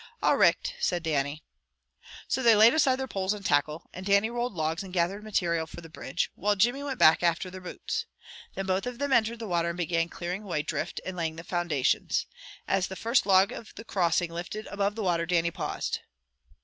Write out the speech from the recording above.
"All richt," said Dannie. So they laid aside their poles and tackle, and Dannie rolled logs and gathered material for the bridge, while Jimmy went back after their boots. Then both of them entered the water and began clearing away drift and laying the foundations. As the first log of the crossing lifted above the water Dannie paused.